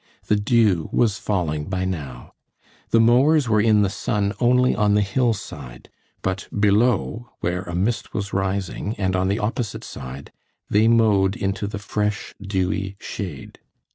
The dew was falling by now; the mowers were in the sun only on the hillside, but below, where a mist was rising, and on the opposite side, they mowed into the fresh, dewy shade.